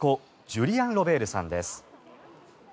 ジュリアン・ロベールさんです。